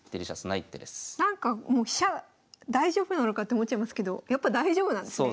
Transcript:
なんか飛車大丈夫なのかって思っちゃいますけどやっぱ大丈夫なんですね。